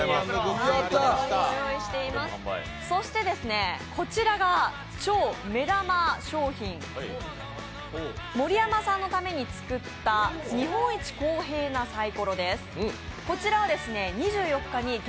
そして、こちらが超目玉商品、盛山さんのために作った日本一公平なサイコロです。